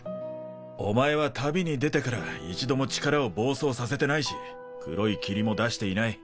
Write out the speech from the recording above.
お前は旅に出てから一度も力を暴走させてないし黒い霧も出していない。